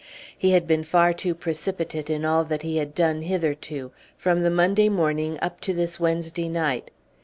He had been far too precipitate in all that he had done hitherto, from the Monday morning up to this Wednesday night.